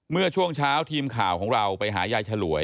เมื่อช่วงเช้าทีมข่าวของเราไปหายายฉลวย